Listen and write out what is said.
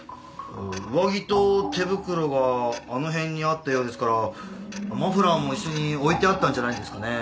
上着と手袋があの辺にあったようですからマフラーも一緒に置いてあったんじゃないですかね。